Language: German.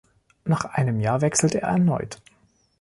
Nach einem Jahr wechselte er erneut.